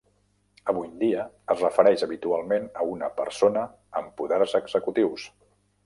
Avui en dia es refereix habitualment a una persona amb poders executius.